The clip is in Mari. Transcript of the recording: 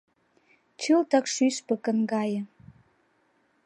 Чылтак шӱшпыкын гае.